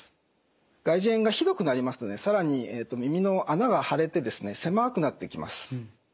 外耳炎がひどくなりますと更に耳の穴が腫れて狭くなってきます。